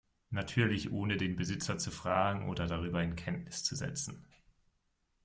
Natürlich ohne den Besitzer zu fragen oder darüber in Kenntnis zu setzen.